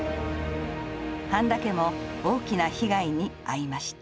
繁田家も大きな被害に遭いました。